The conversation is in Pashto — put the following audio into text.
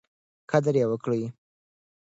قدر یې وکړئ.